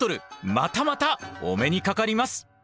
またまたお目にかかります！